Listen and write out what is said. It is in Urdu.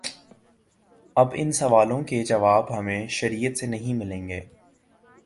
اب ان سوالوں کے جواب ہمیں شریعت سے نہیں ملیں گے۔